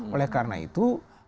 oleh karena itu